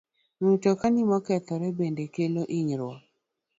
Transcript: Mtokni mokethore bende kelo hinyruok.